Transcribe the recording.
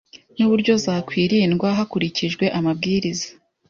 n’uburyo zakwirindwa hakurikijwe amabwiriza